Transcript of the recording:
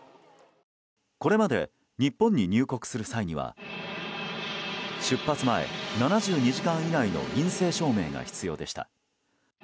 これまで日本に入国する際には出発前７２時間以内の陰性証明が必要でした。